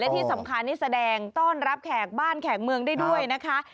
ที่สำคัญนี่แสดงต้อนรับแขกบ้านแขกเมืองได้ด้วยนะคะ